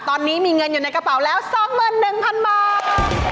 ตอนนี้มีเงินอยู่ในกระเป๋าแล้ว๒๑๐๐๐บาท